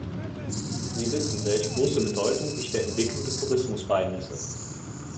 Sie wissen, welch große Bedeutung ich der Entwicklung des Tourismus beimesse.